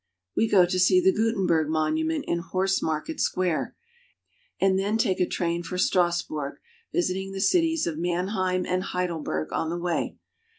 We go to see the Gutenberg monument in Horse Mar ket Square, and then take a train for Strassburg, visiting the cities of Mannheim and Heidelberg on the way.